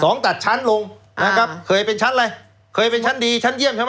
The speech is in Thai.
ตัดชั้นลงนะครับเคยเป็นชั้นอะไรเคยเป็นชั้นดีชั้นเยี่ยมใช่ไหม